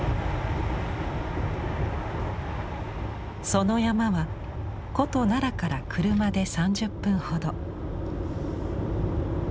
その山は古都・奈良から車で３０分ほど。